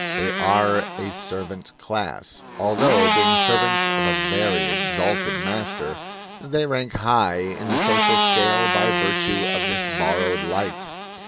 They are a servant class, although, being servants of a very exalted master, they rank high in the social scale by virtue of this borrowed light.